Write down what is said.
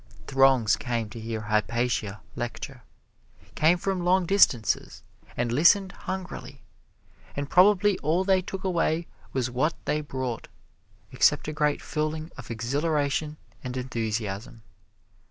Throngs came to hear Hypatia lecture came from long distances, and listened hungrily, and probably all they took away was what they brought, except a great feeling of exhilaration and enthusiasm.